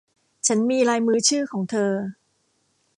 ฉันมีลายมือชื่อของเธอ